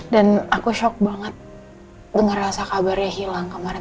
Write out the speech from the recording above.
dan aku shock banget dengar rasa kabarnya hilang kemarin